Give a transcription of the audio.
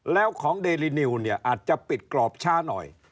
แล้วของเดรินิวเนี่ยอาจจะปิดกรอบช้าหน่อย